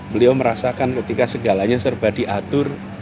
beliau merasakan ketika segalanya serba diatur